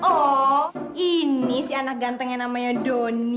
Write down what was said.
oh ini si anak ganteng yang namanya doni